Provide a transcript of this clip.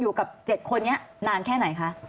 อยู่กับ๗คนนี้นานแค่ไหนคะ